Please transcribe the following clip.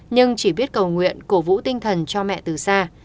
nhưng chỉ biết cầu nguyện cổ vũ tinh thần cho mẹ từ xa